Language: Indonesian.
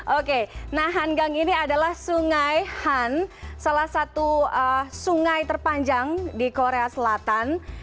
oke nah hanggang ini adalah sungai han salah satu sungai terpanjang di korea selatan